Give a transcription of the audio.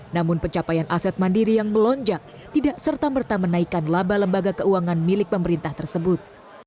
namun pencapaian aset mandiri yang melonjak tidak serta merta menaikkan laba lembaga keuangan milik pemerintah tersebut